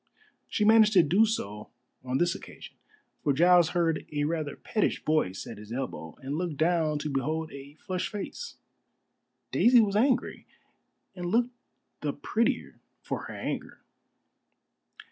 She managed to do so on this occasion, for Giles heard a rather pettish voice at his elbow, and looked down to behold a flushed face. Daisy was angry, and looked the prettier for her anger.